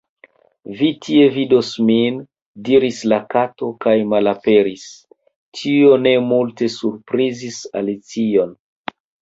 "Vi tie vidos min," diris la Kato kaj—malaperis! Tio ne multe surprizis Alicion.